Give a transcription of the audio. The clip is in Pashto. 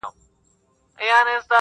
وزیر وویل زما سر ته دي امان وي.!